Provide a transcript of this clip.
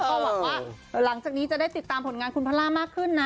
ก็หวังว่าหลังจากนี้จะได้ติดตามผลงานคุณพระล่ามากขึ้นนะ